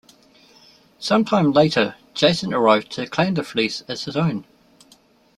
Some time later, Jason arrived to claim the fleece as his own.